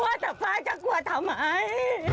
โว้ยหากป๊าจะกลัวทำไม